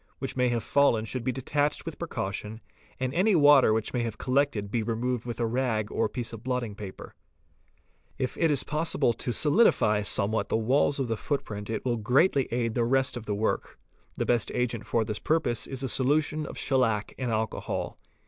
which may have fallen should be | detached with precaution and any water which may have collected be Tremoyed with a rag or piece of blotting paper. 69 546 FOOTPRINTS If it is possible to solidify somewhat the walls of the footprint it will greatly aid the rest of the work. The best agent for this purpose is a solution of shellac in alcohol.